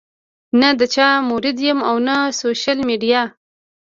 نۀ د چا مريد يم او نۀ سوشل ميډيا